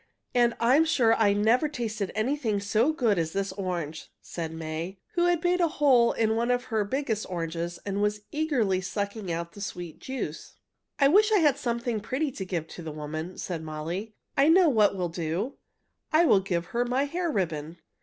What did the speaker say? "And I'm sure I never tasted anything so good as this orange!" said May, who had made a hole in one of her biggest oranges and was eagerly sucking out the sweet juice. "I wish I had something pretty to give the woman," said Molly. "I know what I will do! I will give her my hair ribbon.